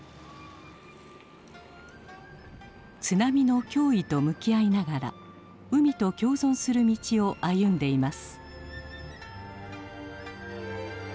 津波の脅威と向き合いながら海と共存する道を歩んでいます。